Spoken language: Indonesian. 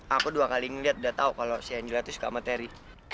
aku dua kali ngeliat udah tau kalo si angela tuh suka sama terry